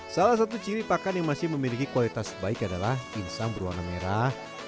salah satu ciri pakan yang masih memiliki kualitas baik adalah insang berwarna merah